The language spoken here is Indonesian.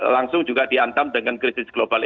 langsung juga diantam dengan krisis global